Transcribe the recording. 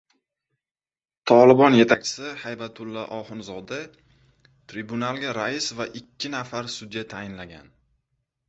“Tolibon” yetakchisi Haybatulla Ohunzoda tribunalga rais va ikki nafar sudya tayinlangan